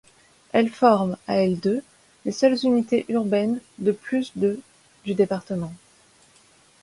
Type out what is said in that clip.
Elles forment, à elles deux, les seules unités urbaines de plus de du département.